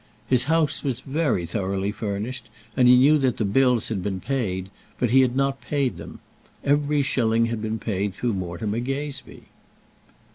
His house was very thoroughly furnished, and he knew that the bills had been paid; but he had not paid them; every shilling had been paid through Mortimer Gazebee.